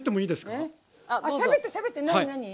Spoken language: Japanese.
しゃべってしゃべってなになに？